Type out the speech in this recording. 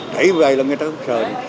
để về là người ta không sợ